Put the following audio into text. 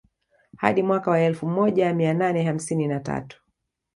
Hadi mwaka wa elfu moja mia nane hamsini na tatu